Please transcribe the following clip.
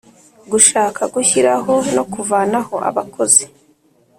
Gushaka gushyiraho no kuvanaho abakozi